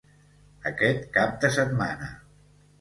Aquest cap de setmana